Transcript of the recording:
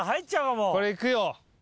これいくよ。